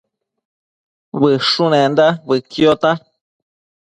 Bëshunenda bëquiota